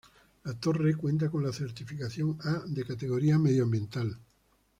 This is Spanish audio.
La Torre cuenta con la certificación A de categoría medioambiental.